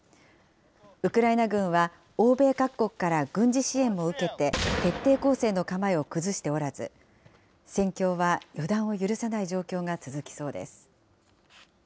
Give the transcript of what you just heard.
ウクライナ軍は欧米各国から軍事支援も受けて、徹底抗戦の構えを崩しておらず、戦況は予断を許さない状況が続きそうです。